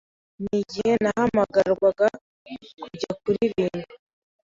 ni igihe nahamagarwaga kujya kuririmba